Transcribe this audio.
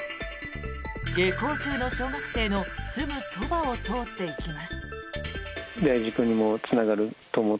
下校中の小学生のすぐそばを通っていきます。